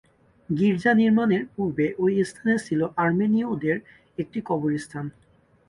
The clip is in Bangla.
গীর্জা নির্মাণের পূর্বে ঐ স্থানে ছিলো আর্মেনীয়দের একটি কবরস্থান।